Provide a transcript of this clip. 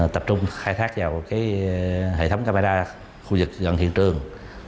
tập trung khai thác vào hệ thống camera khu vực gần hiện trường